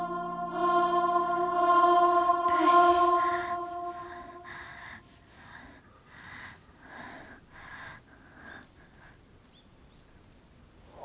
ああ。